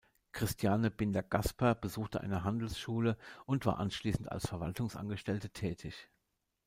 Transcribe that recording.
Christiane Binder-Gasper besuchte eine Handelsschule und war anschließend als Verwaltungsangestellte tätig.